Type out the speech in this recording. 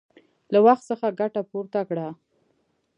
له وخت څخه ګټه پورته کړه!